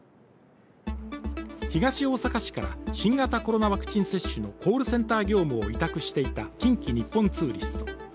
東大阪市から新型コロナワクチン接種のコールセンター業務を委託していた近畿日本ツーリスト。